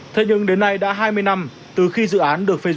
thế nhưng đến nay đã hai mươi năm từ khi dự án được phê duyệt